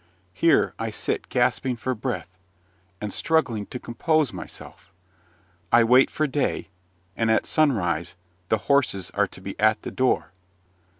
Here I sit gasping for breath, and struggling to compose myself. I wait for day, and at sunrise the horses are to be at the door.